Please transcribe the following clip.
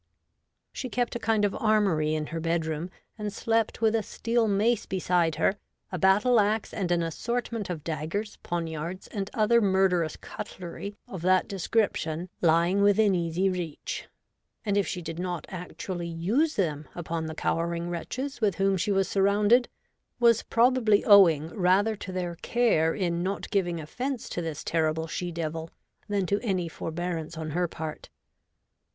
She kept a kind of armoury in her bedroom, and slept with a steel mace beside her, a battle axe and an SOME OLD TIME TERMAGANTS. 95. assortment of daggers, poniards, and other murderous cutlery of that description lying within easy reach ; and, if she did not actually use them upon the cowering wretches with whom she was surrounded, was probably owing rather to their care in not it giving offence to this terrible she devil than to any forbearance on her part.